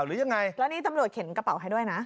หรือยังไงแล้วนี่ตำรวจเข็นกระเป๋าให้ด้วยนะ